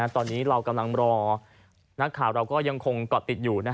ตอนนี้เรากำลังรอนักข่าวเราก็ยังคงเกาะติดอยู่